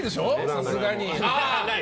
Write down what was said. さすがに。